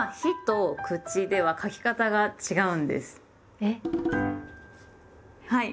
えっ⁉はい。